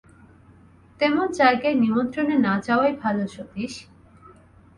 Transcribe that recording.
তেমন জায়গায় নিমন্ত্রণে না যাওয়াই ভালো, সতীশ।